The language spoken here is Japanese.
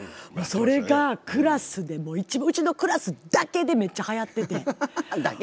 それがクラスでもううちのクラスだけでめっちゃはやっててん。